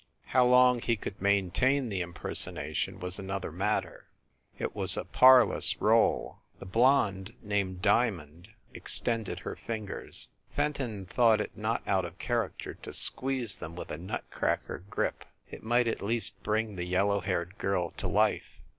How long he could maintain the impersonation was another matter. It was a par lous role. The blonde named Diamond extended THE CAXTON DINING ROOM 157 her fingers. Fen ton thought it not out of character to squeeze them with a nut cracker grip. It might at least bring the yellow haired girl to life.